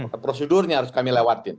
ada prosedurnya harus kami lewatin